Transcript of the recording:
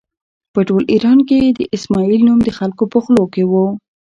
په ټول ایران کې د اسماعیل نوم د خلکو په خولو کې و.